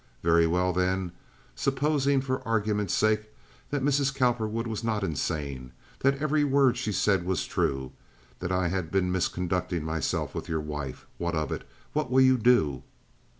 Very well, then. Supposing for argument's sake that Mrs. Cowperwood was not insane; that every word she said was true; that I had been misconducting myself with your wife? What of it? What will you do?"